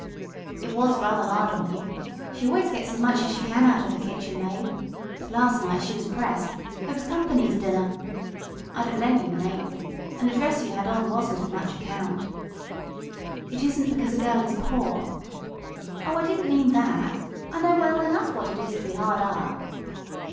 "It was hard on you. She always gets as much as she can out of her kitchen maid. But last night she was pressed, there was company to dinner. I'd have lent you an apron, and the dress you had on wasn't of much account." "It isn't because a girl is poor " "Oh, I didn't mean that; I know well enough what it is to be hard up."